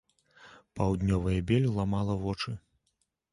Паўднёвая бель ламала вочы.